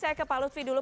saya ke pak lutfi dulu